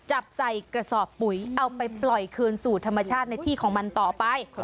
จับใส่กระสอบปุ๋ยเอาไปปล่อยคืนสู่ธรรมชาติในที่ของมันต่อไป